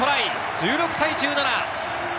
１６対１７！